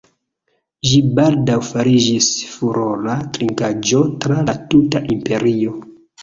Ĝi baldaŭ fariĝis furora trinkaĵo tra la tuta imperio.